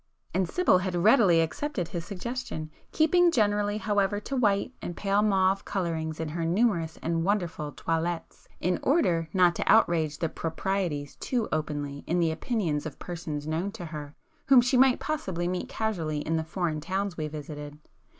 And Sibyl had readily accepted his suggestion, keeping generally however to white and pale mauve colourings in her numerous and wonderful toilettes, in order not to outrage the [p 303] proprieties too openly in the opinions of persons known to her, whom she might possibly meet casually in the foreign towns we visited.